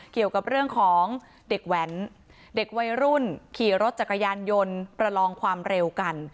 เกี่ยวกับเรื่องของเด็กแหวนเด็กวัยรุ่นขี่รถจักรยานยนต์ประลองความเร็วกัน